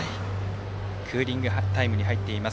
クーリングタイムに入っています